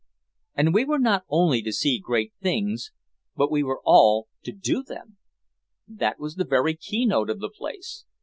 And we were not only to see great things but we were all to do them! That was the very keynote of the place.